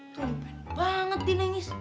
tumpen banget dia nangis